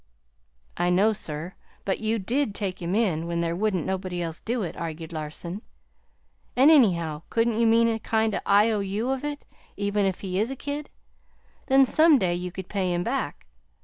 "I know, sir, but you DID take him in, when there wouldn't nobody else do it," argued Larson. "An', anyhow, couldn't you make a kind of an I O U of it, even if he is a kid? Then, some day you could pay him back.